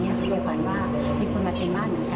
โดยฝันว่ามีคนมาเต็มบ้านเหมือนกัน